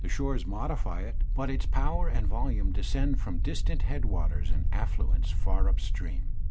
shores modify it, but its power and volume descend from ^ distant headwaters and affluents far up stream.